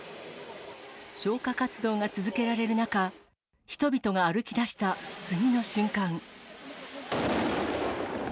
消火活動が続けられる中、人々が歩きだした次の瞬間。